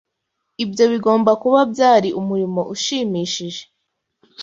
Ibyo bigomba kuba byari umurimo ushimishije.